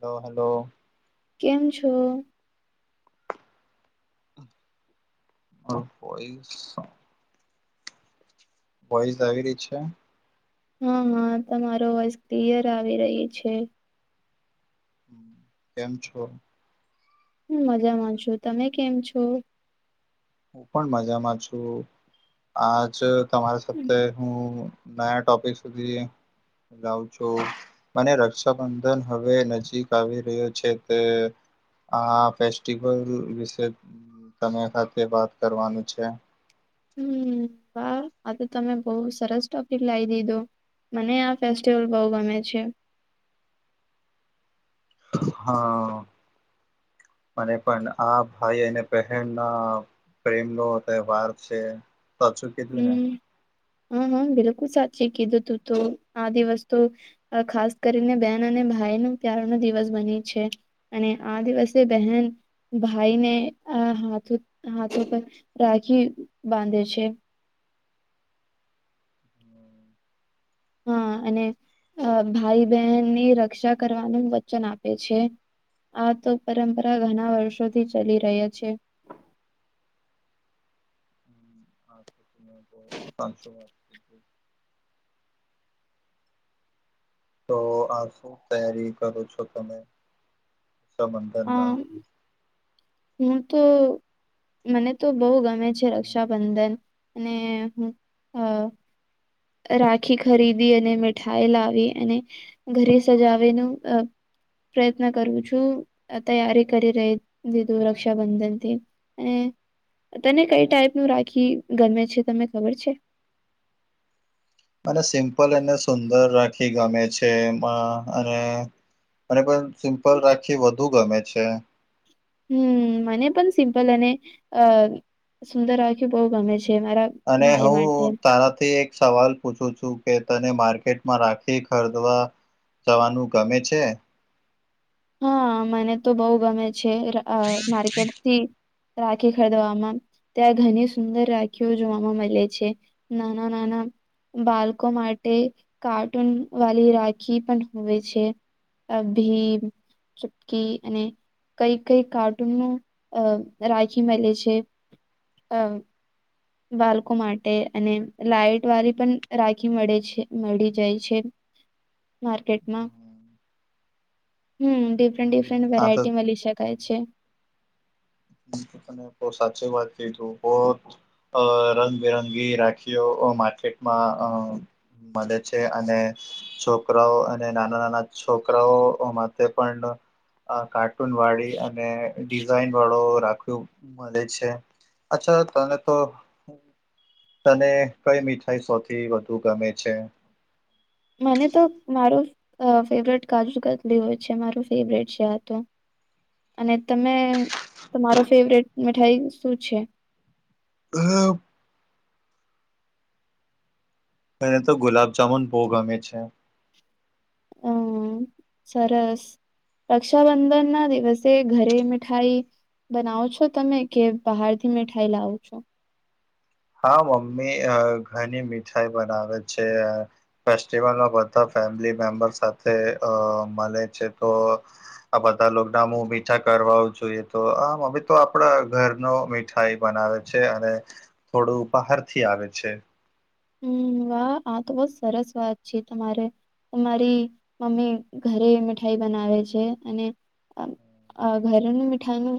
Hello hello. કેમ છો? [inaudible] Voice આવી રી છે. હા હા તમારો વોઇસ ક્લિયર આવી રહી છે. કેમ છો? હું મજા મજાનમા છું તમે કેમ છો? હું પણ મજામાં છું આજ તમારા સાથે હું નયા ટોપિક સુધી લાઉ છું મને રક્ષાબંધન હવે નજીક આવી રહ્યું છે, તે આ ફેસ્ટિવલ વિશે તમે સાથે વાત કરવાનું છે. હમ વાહ આ તો તમે બહુ સરસ ટોપિક લાય દીધો મને આ ફેસ્ટિવલ બઉ ગમે છે. હા અને પણ આ ભાઈ અને બહેનના પ્રેમ લો તહેવાર છે. સાચું કીધું ને હમ હા હા બિલકુલ સાચી કીધું તું તો આ દિવસ તો ખાસ કરીને બેહેન અને ભાઈ ન ત્યાર નો દિવસ બને છે. અને આ દિવસે બહેન ભાઈને આ હાથ ઉ હાથ ઉપર રાખી બાંધે છે. હા અને અ ભાઈ બહેનની રક્ષા કરવાનું વચન આપે છે. આ તો પરંપરા ઘના વર્ષોથી ચાલી રહ્યા છે. [unintelligible] તો આ શું તયારી કરો છો તમે રક્ષાબંધન અ ના? હું તો મને તો બોહ ગમે છે હમ. રક્ષાબંધન. અને હું હ રાખી ખરીદી અને મીઠાઈ લાવીએ અને ઘરે સજાવે નું અ પ્રયત્ન કરું છું. તૈયારી કરી રહી દીધું રક્ષાબંધનથી અને તને કઈ ટાઈપ નું રાખી ગમે છે તમને ખબર છે? મને સિમ્પલ અને સુંદર રાખી ગમે છે એમાં અને મને પણ સિમ્પલ રાખી વધુ ગમે છે. હમ મને પણ સિમ્પલ અને અ સુંદર રાખી બહુ ગમે છે મારા અને ભાઈ માટે હું તારાથી સવાલ પૂછું છું કે તને માર્કેટમાં રાખી ખરદવા જવાનું ગમે છે. હા મને તો બોહ ગમે છે માર્કેટથી રાખી ખરીદવામાં ત્યાં ઘણી સુંદર રાખીઓ જોવામાં મલે છે. નાના નાના બાળકો માટે કાર્ટૂન વાડી રાખી પણ હોવે છે. અભી ચીપકી અને કઈ કઈ કાર્ટૂન નું રાખી મેલે છે? અ બાળકો માટે અને લાઈટ વાળી પણ રાખી મળે છે મળી જાય છે. માર્કેટમાં હમ હમ. ડિફરન્ટ હમ હમ ડિફરન્ટ આ તો વેરાયટી મળી શકાય છે. તને બોહ સાચી વાત કીધું બોજ અ રંગબિરંગી રાખીઓ માર્કેટમાં અ મળે છે અને છોકરાઓ અને નાના નાના છોકરાઓ માટે પણ આ કાર્ટૂન વાળી અને ડિઝાઇન રાખ મળે છે અચ્છા તને તો તને કઈ મીઠાઈ સૌથી વધુ ગમે છે? મને તો મારુ ફેવરેટ કાજુ કતલી હોય છે મારું ફેવરેટ છે આ તો. અને તમે તમારો ફેવરેટ મીઠાઈ શું છે? હ એને તો ગુલાબ જામુન બોહ ગમે છે. હમ સરસ. રક્ષાબંધન ના દિવસે ઘરે મિઠાઈ બનાવો છો તમે કે બહાર થી મીઠાઈ લાવો છો? હા મમ્મી ઘણી મીઠાઈ બનાવે છે. ફેસ્ટિવલમાં બધા ફેમિલી મેમ્બર સાથે અ મળે છે તો આ બધા લોકડા હું મીઠા કરવા જોઈએ તો આ મમ્મી તો આપડા ઘર નો મીઠાઈ બનાવે છે અને થોડું બહાર થી આવે છે. વાહ આ તો બો સરસ વાત છે તમારે. મારી મમ્મી ઘરે મીઠાઈ બનાવે છે અને અ ઘરેનું મીઠાઈ નુ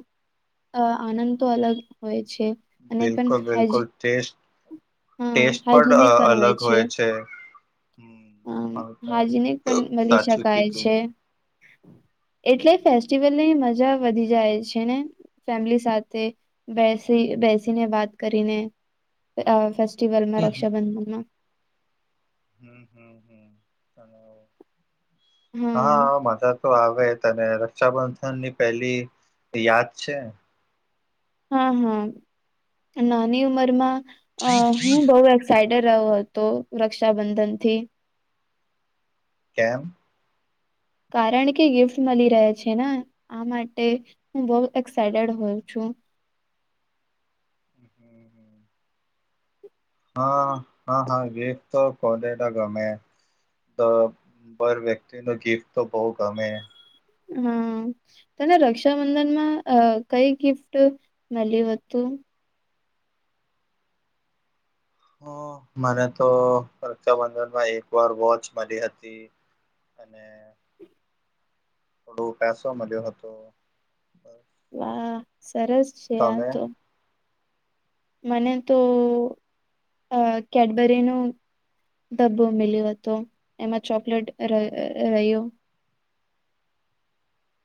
અ આનંદ તો અલગ હોય છે અને પણ બિલકુલ બિલકુલ હજી ટેસ્ટ ટેસ્ટ પણ અલગ હોય છે અમ હમ અ હાજીનિક પણ મળી સાચું શકાય કીધું છે એટલે ફેસ્ટિવલ ની મજા વધી જાય છે ને ફેમિલી સાથે બેસી બેસીને વાત કરીને અ ફેસ્ટિવલ માં હમ રક્ષાબંધન હમ્મ હમ્મ હમ્મ હ હા હ મધર તો આવે તને રક્ષાબંધનની પેલી યાદ છે હા હા નાની ઉમરમાં અ હુ [unintelligible] એક્સ સાઈડે રહ્યો હતો રક્ષાબંધન થી કેમ કારણ કે ગિફ્ટ મળી રહે છે ને આ માટે હું બહુ એક્સાઈટેડ હોઉ છું હમ હમ હા હા હા ગિફ્ટ તો કોને ન ગમે તો બર વ્યક્તિ નુ ગિફ્ટ તો બહુ ગમે હમ તને રક્ષાબંધનમાં કઈ ગિફ્ટ મળ્યો હતું હ મને તો રક્ષાબંધનમાં એક વાર વોચ મલી હતી અને થોડો પેસો મળ્યો હતો વાહ સરસ છે આ તમે તો મને તો અ કેડબરી નુ ડબ્બું મિલ્યું હતો એમાં ચોકલેટ રહ્યું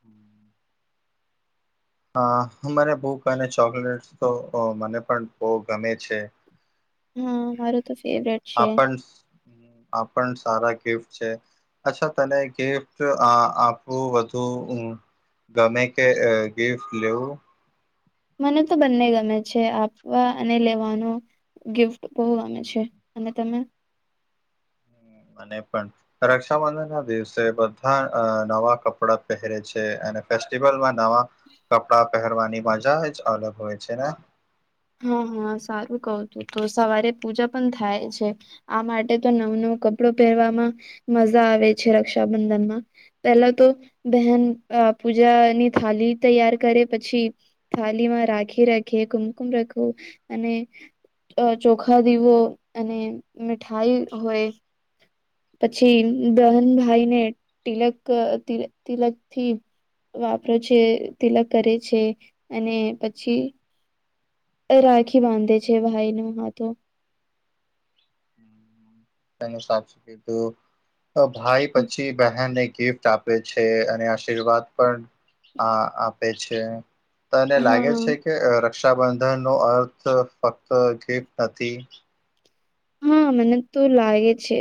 હમ હ મને બૂક અને ચોકલેટ તો મને પણ બહુ ગમે છે હા મારું તો ફેવરેટ આ છે પણ આ પણ સારા ગિફ્ટ છે અચ્છા તને ગિફ્ટ આ આપવું વધુ ગમે કે ગિફ્ટ લેવું મને તો બંને ગમે છે આપવા અને લેવાનો ગિફ્ટ બહુ ગમે છે અને તમે અને પણ રક્ષાબંધન ના દિવસે બધા નવા કપડા પહેરે છે અને ફેસ્ટિવલમાં નવા કપડા પહેરવાની મજા જ અલગ હોય છે ને હા હા સારું કવ છું તો સવારે પૂજા પણ થાય છે આ માટે તો નવું નવું કપડું પહેરવામાં મજા આવે છે રક્ષાબંધનમાં પેલા તો બહેન પૂજાની થાલી તૈયાર કરે પછી થાલી માં રાખી રાખીએ કુમકુમ રાખવું અને ચોખા દીવો અને મીઠાઈ હોય પછી દહનભાઈને તિલક તિલક થી વાપરે છે તિલક કરે છે અને પછી રાખી બાંધે છે ભાઈ ને હાથમાં અને સાચું કીધું અ ભાઈ પછી બહેનને ગિફ્ટ આપે આપ છે અને આશીર્વાદ પણ આ આપે છે તને લાગે હા છે કે રક્ષાબંધન નો અર્થ ફક્ત ગિફ્ટ નથી હા મને તો લાગે છે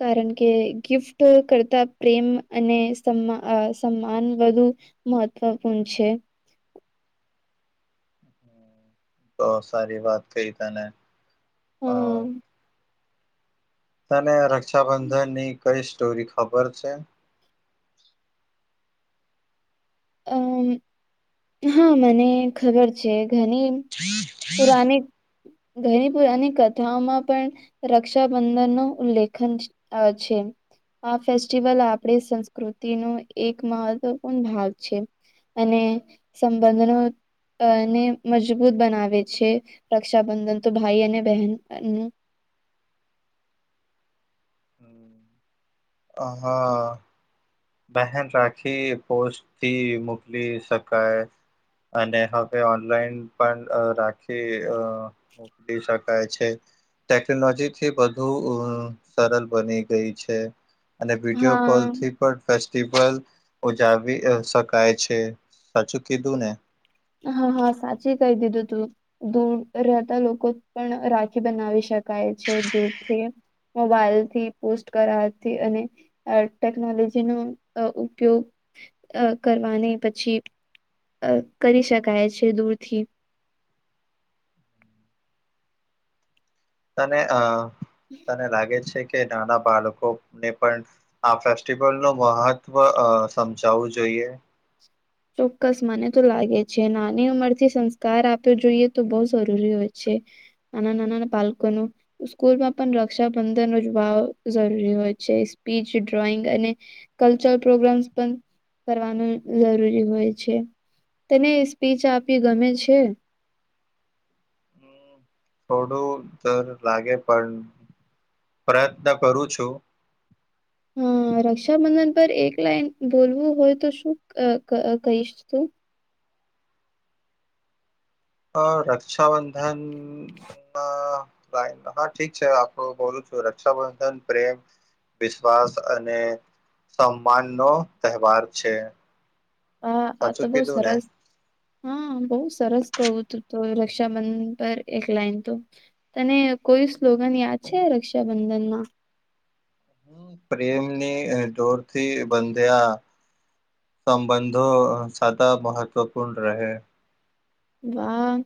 કારણ કે ગિફ્ટ કરતા પ્રેમ અને સમા અ સમાન વધુ મહત્વપૂર્ણ છે [inaudible] તો સારી વાત કહી તને હ- - [inaudible] તને રક્ષાબંધનની કઈ સ્ટોરી ખબર છે? અમ હા મને ખબર છે ઘણી- - [inaudible] પુરાની ઘણી પુરાની કથાઓમાં પણ- - રક્ષાબંધન ન ઉલ્લેખન છે. આ ફેસ્ટિવલ આપણી સંસ્કૃતિ ન એક મહત્વપૂર્ણ ભાગ છે. અને સંબંધનો અ ને મજબૂત બ- -નાવે છે રક્ષાબંધન તો ભાઈ અને બહેન હ હા. બહેન રાખી પોસ્ટ થી મોકલી શકાય અને હવે ઓનલાઈન પણ રાખી. મોકલી શકાય છે. ટેકનોલોજી થી બઘુ સરળ બની ગઈ છે. અને વિડિયો હા કોલથી ફેસ્ટિવલ ઉજાવ શકાય છે સાચું કીધું ને હા હા સાચી કહી દીધું તુ દૂર રહેતા લોકો પણ રાખી બનાવી શકાય છે, દૂરથી મોબાઈલ થી પોસ્ટ કરાવથી અને અ ટેકનોલોજી નો ઉપયોગ અ કરવાની પછી અ કરી શકાય છે દૂર થી. તને અ તને લાગે છે, કે નાના બાળકોને પણ- - આ ફેસ્ટિવલ નું મહત્વ સમજાવવું જોઈએ. ચોક્કસ મને તો લાગે છે નાની ઉંમરથી સંસ્કાર આપ્યો જોઈએ, તો બહુ જરૂરી હોય છે. નાના ના ના ના બાળકનુ સ્કૂલમાં પણ રક્ષાબંધનજવા જરૂરી હોય છે સ્પીચ ડ્રોઈંગ અને કલ્ચરલ પ્રોગ્રામ પણ કરવાનું જરૂરી હોય છે, તને સ્પીચ આપી ગમે છે. થોડું ડર લાગે પણ પ્રયત્ન કરું છુ. હા રક્ષાબંધન પર, એક લાઈન બોલવું હોય તો શું કહીશ તુ અ રક્ષાબંધન ના હા ઠીક છે, આપડું બોલું છુ રક્ષાબંધન પ્રેમ વિશ્વાસ અને સમાન નો તહેવાર છે. હા આ તો સાચું બહુ કીધું ને સરસ હા બહુ સરસ કવું તુ તો રક્ષાબંધન પર એક લાઈન તો તને કોઈ સ્લોગન યાદ છે, રક્ષાબંધનમાં પ્રેમની દોરથી બંધ્યા સંબંધો સાદ મહત્ત્વપૂર્ણ રહેે વાહ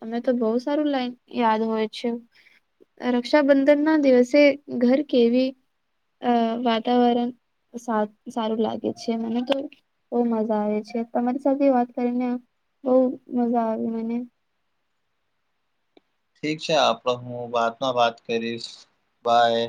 તમે તો બહુ સારું લાઈન યાદ હોય છે. રક્ષાબંધન ના દિવસે ઘર કેવી અ વાતાવરણ સારું લાગે છે, મને તો બહ મજા આવે છે, તમારી સાથે વાત કરીને બહ મજા આવી મને ઠીક છે આપડો હું બાદમાં વાત કરીશ બાય